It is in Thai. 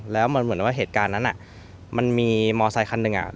แล้วมันเหมือนว่าเหตุการณ์นั้นมันมีมอไซคันหนึ่งอ่ะ